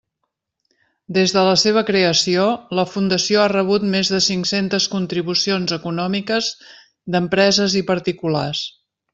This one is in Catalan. Des de la seva creació, la fundació ha rebut més de cinc-centes contribucions econòmiques d'empreses i particulars.